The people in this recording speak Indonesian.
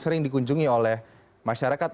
sering dikunjungi oleh masyarakat